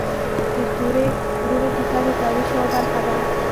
د تورې غرونو کیسه د تاریخ یوه برخه ده.